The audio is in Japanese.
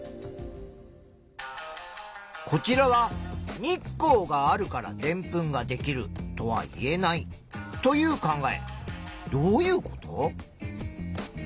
こちらは「日光があるからでんぷんができるとは言えない」という考え。